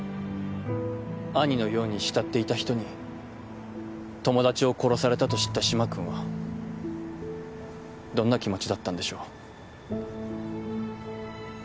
兄のように慕っていた人に友達を殺されたと知った嶋君はどんな気持ちだったんでしょう。